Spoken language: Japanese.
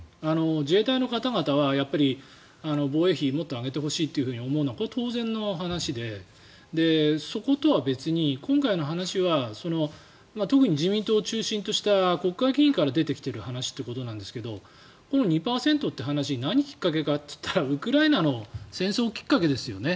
自衛隊の方々はやっぱり防衛費もっと上げてほしいって思うのは当然の話で、そことは別に今回の話は特に自民党を中心とした国会議員から出ている話ということなんですがこの２％って話何きっかけかというとウクライナの戦争きっかけですよね。